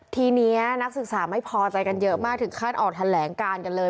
ทีนี้นักศึกษาไม่พอใจกันเยอะมากถึงขั้นออกแถลงการกันเลย